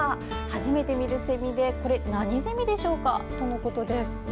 初めて見るセミで、これは何ゼミでしょうかとのことです。